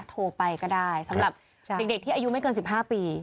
โทรไปก็ได้สำหรับเด็กที่อายุไม่เกิน๑๕ปี